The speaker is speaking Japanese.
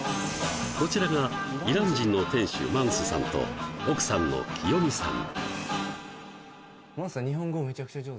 こちらがイラン人の店主マンスさんと奥さんのきよみさん